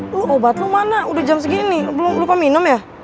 lo obat lo mana udah jam segini lo belum lupa minum ya